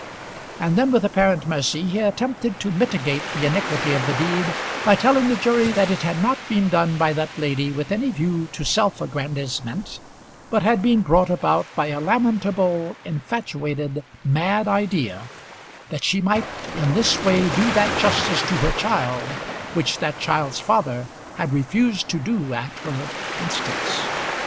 And then, with apparent mercy, he attempted to mitigate the iniquity of the deed by telling the jury that it had not been done by that lady with any view to self aggrandisement, but had been brought about by a lamentable, infatuated, mad idea that she might in this way do that justice to her child which that child's father had refused to do at her instance.